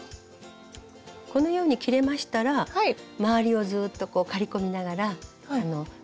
このように切れましたら周りをずっと刈り込みながら調整して頂くと。